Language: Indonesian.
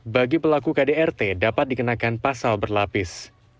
bagi pelaku kdrt dapat dikenakan pasal berlapis